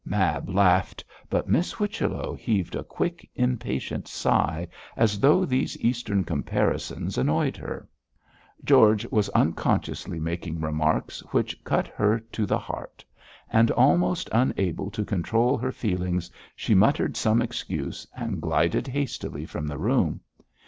Mab laughed, but Miss Whichello heaved a quick, impatient sigh, as though these eastern comparisons annoyed her. George was unconsciously making remarks which cut her to the heart; and almost unable to control her feelings, she muttered some excuse and glided hastily from the room.